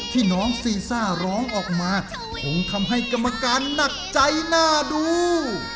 ที่น้องซีซ่าร้องออกมาคงทำให้กรรมการหนักใจน่าดู